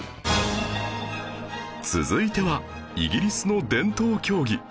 続いてはイギリスの伝統競技